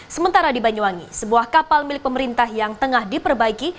sementara di banyuwangi sebuah kapal milik pemerintah yang tengah diperbaiki